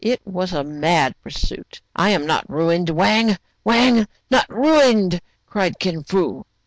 It was a mad pursuit. "I am not ruined ! Wang, Wang! not ruined!*' cried Kin Fo.